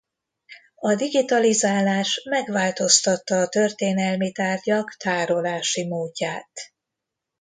A digitalizálás megváltoztatta a történelmi tárgyak tárolási módját.